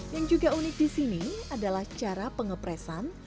yang juga unik di sini adalah cara pengepresan